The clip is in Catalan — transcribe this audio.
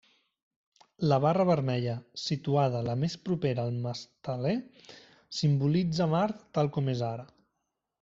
La barra vermella, situada la més propera al masteler, simbolitza Mart tal com és ara.